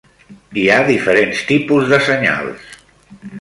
Hi ha diferents tipus de senyals.